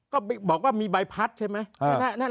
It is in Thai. ก็บอกว่ามีใบพัดใช่ไหม